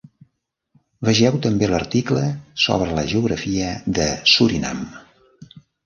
Vegeu també l'article sobre la geografia de Surinam.